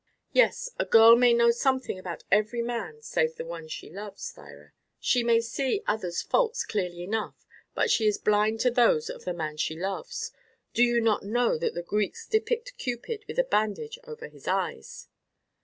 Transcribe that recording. "Yes, a girl may know something about every man save the one she loves, Thyra. She may see other's faults clearly enough; but she is blind to those of the man she loves. Do you not know that the Greeks depict Cupid with a bandage over his eyes?"